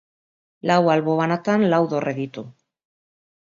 Lau albo banatan lau dorre ditu.